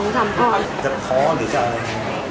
จะท้อหรือจะอะไร